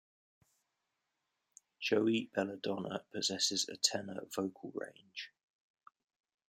Joey Belladonna possesses a tenor vocal range.